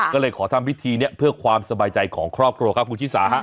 ก็เลยขอทำพิธีนี้เพื่อความสบายใจของครอบครัวครับคุณชิสาฮะ